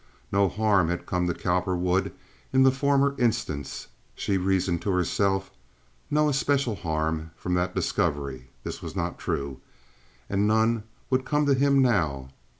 No harm had come to Cowperwood in the former instance, she reasoned to herself—no especial harm—from that discovery (this was not true), and none would come to him now.